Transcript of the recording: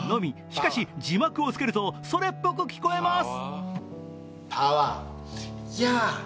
しかし、字幕をつけるとそれっぽく聞こえます。